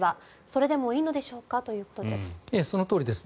それでもいいのでしょうかということです。